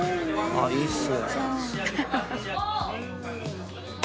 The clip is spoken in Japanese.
「あっいいっす」